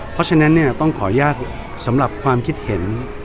เพราะฉะนั้นเนี่ยต้องขออนุญาตสำหรับความคิดเห็น